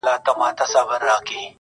یوهډوکی یې د پښې وو که د ملا وو،